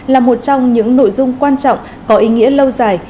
là một trong những nội dung quan trọng có ý nghĩa lâu dài